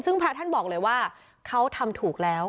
ซึ่งพระท่านบอกเลยว่าเขาทำถูกแล้ว